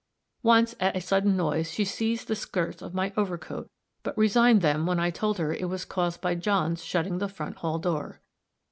Once, at a sudden noise, she seized the skirts of my overcoat, but resigned them when I told her it was caused by John's shutting the front hall door.